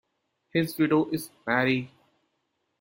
His widow is Mary.